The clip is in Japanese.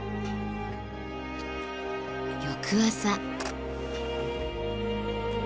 翌朝。